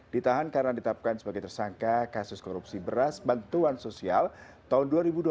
ditahan karena ditapkan sebagai tersangka kasus korupsi beras bantuan sosial tahun dua ribu dua puluh